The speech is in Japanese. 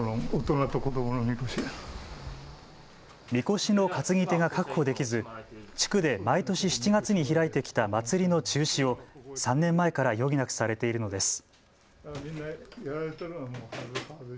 みこしの担ぎ手が確保できず地区で毎年７月に開いてきた祭りの中止を３年前から余儀なくされているのです。